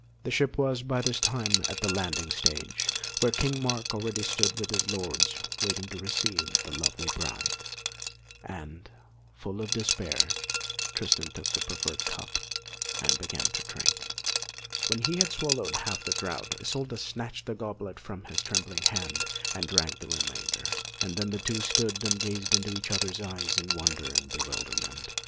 The ship was by this time at the landing stage, where King Mark already stood with his lords, waiting to receive the lovely bride; and, full of despair, Tristan took the proffered cup and began to drink. When he had swallowed half the draught, Isolda snatched the goblet from his trembling hand and drank the remainder; and then the two stood and gazed into each other's eyes in wonder and bewilderment.